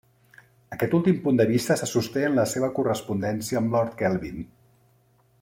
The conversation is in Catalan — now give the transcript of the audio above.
Aquest últim punt de vista se sosté en la seva correspondència amb Lord Kelvin.